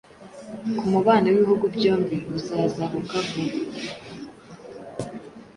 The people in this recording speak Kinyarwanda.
kumubano w'ibihugu byombi uzazahuka vuba.